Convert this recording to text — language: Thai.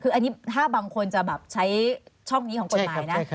คืออันนี้ถ้าบางคนจะแบบใช้ช่องนี้ของกฎหมายนะ